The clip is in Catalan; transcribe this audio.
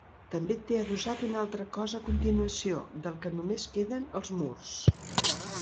També té adossat un altre cos a continuació, del que només queden els murs.